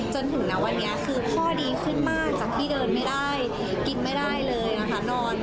จนถึงณวันนี้คือพ่อดีขึ้นมากจากที่เดินไม่ได้กินไม่ได้เลยนะคะ